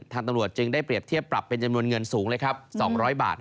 ตำรวจจึงได้เปรียบเทียบปรับเป็นจำนวนเงินสูงเลยครับ๒๐๐บาท